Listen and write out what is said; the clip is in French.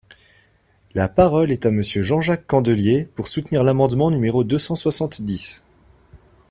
La parole est à Monsieur Jean-Jacques Candelier, pour soutenir l’amendement numéro deux cent soixante-dix.